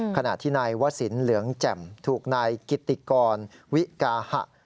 ขณะที่นายวสินเหลืองแจ่มถูกนายกิติกรวิกาหะ